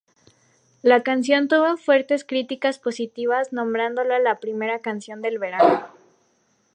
La canción tuvo fuertes críticas positivas nombrándola la primera canción del verano.